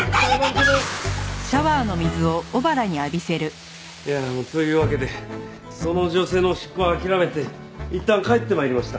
出ていけ！というわけでその女性の執行は諦めていったん帰って参りました。